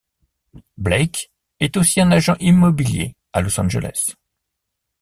Blake est aussi un agent immobilier à Los Angeles.